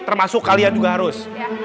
termasuk kalian juga harus